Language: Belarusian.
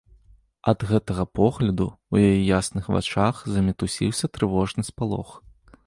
Ад гэтага погляду ў яе ясных вачах замітусіўся трывожны спалох.